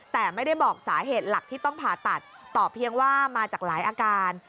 แต่ไม่ได้บอกสาเหตุหลักที่ต้องผ่าตัดต่อเพียงว่ามาจากหลายอาการ